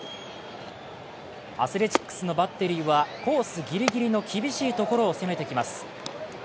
アスレチックスのバッテリーはコースギリギリの厳しいところを攻めてきます。